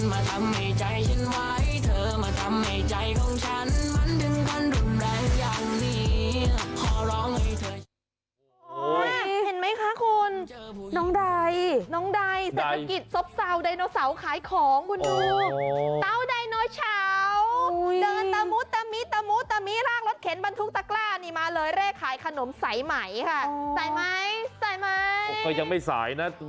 ถ้าเธอนั้นมาทำให้ใจฉันไว้เธอมาทำให้ใจของฉันมันถึงกันรุนแรงอย่างนี้